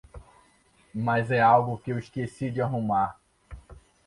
Mas é algo que eu esqueci de arrumar.